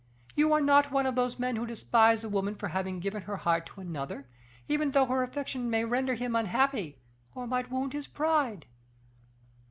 You are not one of those men who despise a woman for having given her heart to another, even though her affection might render him unhappy, or might wound his pride."